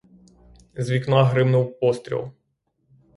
З вікна гримнув постріл.